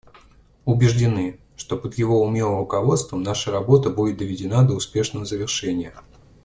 Убеждены, что под его умелым руководством наша работа будет доведена до успешного завершения.